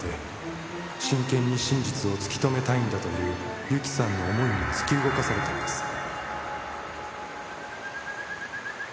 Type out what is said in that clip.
真剣に真実を突き止めたいんだというゆきさんの思いに突き動かされたんです」